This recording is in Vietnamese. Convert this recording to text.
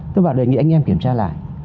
tôi bảo đề nghị anh em kiểm tra lại